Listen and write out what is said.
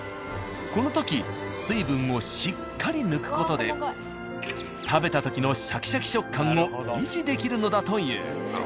この時水分をしっかり抜く事で食べた時のシャキシャキ食感を維持できるのだという。